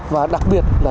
và đặc biệt là